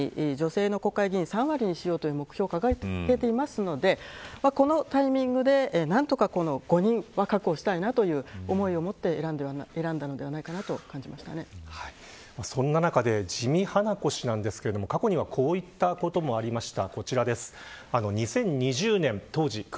自民党もこの１０年内に女性の国会議員を３割にしようという目標を掲げているのでこのタイミングで何とか５人は確保したいという思いで選んだのではないかとその中で自見英子氏なんですが過去には、こういったこともありました。